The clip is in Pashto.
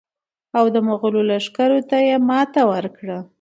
او د مغولو لښکرو ته یې ماته ورکړه.